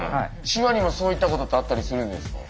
手話にもそういったことってあったりするんですか？